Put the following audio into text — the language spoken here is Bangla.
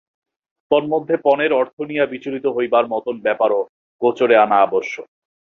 তন্মধ্যে পণের অর্থ নিয়া বিচলিত হইবার মতন ব্যাপারও গোচরে আনা আবশ্যক।